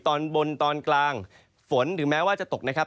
ตอนบนตอนกลางฝนถึงแม้ว่าจะตกนะครับ